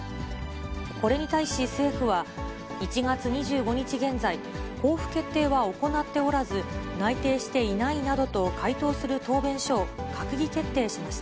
これに対し、政府は１月２５日現在、交付決定は行っておらず、内定していないなどと回答する答弁書を閣議決定しました。